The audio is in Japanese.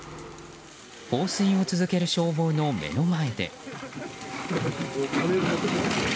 放水を続ける消防の目の前で。